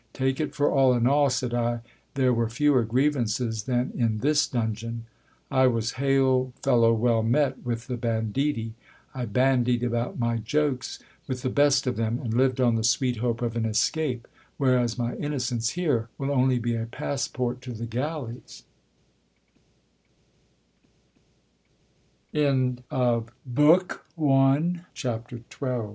Take it for all in all, said I, there were fewer grievances than in this dungeon. I was hail fellow well met with the banditti ! I bandied about my jokes with the best of them, and lived on the sweet hope of an escape ; whereas my innocence here will only be a passport t